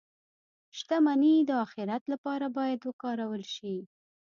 • شتمني د آخرت لپاره باید وکارول شي.